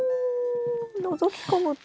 のぞき込むと。